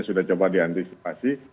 sudah coba diantisipasi